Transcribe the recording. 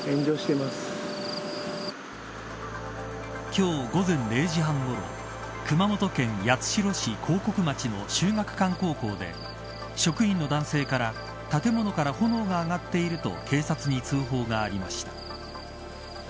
今日午前０時半ごろ熊本県八代市、興国町の秀岳館高校で職員の男性から建物から炎が上がっていると警察に通報がありました。